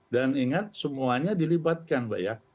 dan ingat semuanya dilibatkan mbak ya